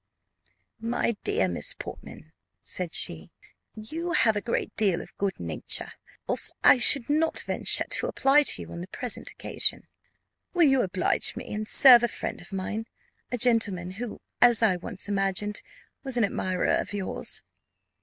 "My dear Miss Portman," said she, "you have a great deal of good nature, else I should not venture to apply to you on the present occasion. Will you oblige me, and serve a friend of mine a gentleman who, as I once imagined, was an admirer of yours?"